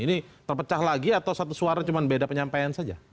ini terpecah lagi atau satu suara cuma beda penyampaian saja